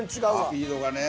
スピードがね。